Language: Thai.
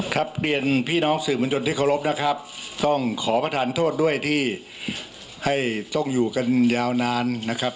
เรียนพี่น้องสื่อมวลชนที่เคารพนะครับต้องขอประทานโทษด้วยที่ให้ต้องอยู่กันยาวนานนะครับ